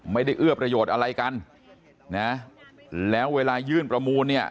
เอื้อประโยชน์อะไรกันนะแล้วเวลายื่นประมูลเนี่ย